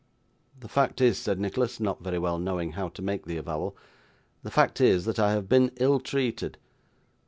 'The fact is,' said Nicholas, not very well knowing how to make the avowal, 'the fact is, that I have been ill treated.